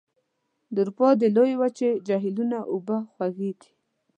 د اروپا د لویې وچې جهیلونو اوبه خوږې دي.